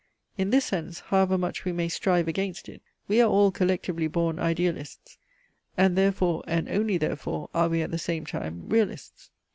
In this sense, however much we may strive against it, we are all collectively born idealists, and therefore and only therefore are we at the same time realists.